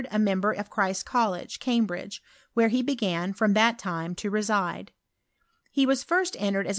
a member of Christ's College, Cambridge, wherehe began, from that time, to reside. He was first en tered as.